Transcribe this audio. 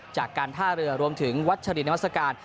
จากการท่าเรือรวมถึงวัชรินวัศกาล